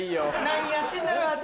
何やってんだろう私。